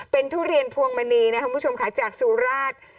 เป็นทุเรียนพวงมณีนะครับคุณผู้ชมค่ะจากสุราช